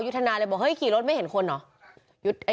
ทนายเลยบอกเฮ้ยขี่รถไม่เห็นคนเหรอ